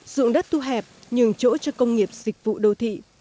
dụng đất thu hẹp nhường chỗ cho công nghiệp dịch vụ đô thị